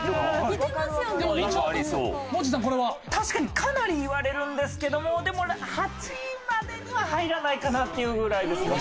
確かにかなり言われるんですけどもでも８位までには入らないかなっていうぐらいですね。